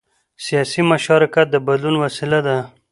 سیاسي مشارکت د بدلون وسیله ده